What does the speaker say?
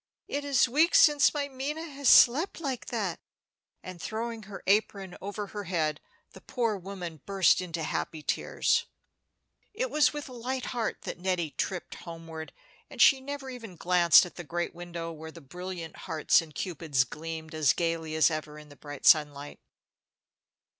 It is weeks since my Minna has slept like that." And throwing her apron over her head, the poor woman burst into happy tears. It was with a light heart that Nettie tripped homeward, and she never even glanced at the great window where the brilliant hearts and Cupids gleamed as gayly as ever in the bright sunlight.